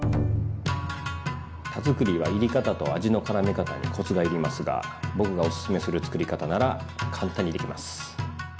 田作りはいり方と味の絡め方にコツがいりますが僕がオススメするつくり方なら簡単にできます。